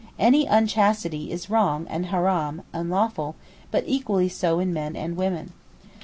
Any unchastity is wrong and haram (unlawful), but equally so in men and women.